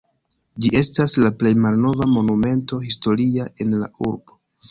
Ĝi estas la plej malnova Monumento historia en la urbo.